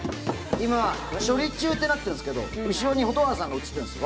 今「処理中」ってなってるんですけど後ろに蛍原さんが写ってるんです。